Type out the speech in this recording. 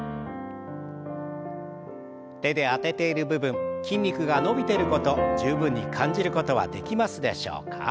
手であてている部分筋肉が伸びてること十分に感じることはできますでしょうか？